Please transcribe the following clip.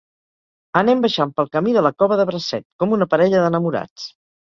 Anem baixant pel camí de la Cova de bracet, com una parella d'enamorats.